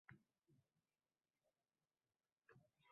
So‘zga izzatni shogirdlariga yoshligidan singdira boshlaydi.